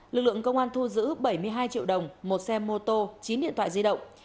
lực lượng công an thu giữ bảy mươi hai triệu đồng một xe mô tô chín điện thoại di động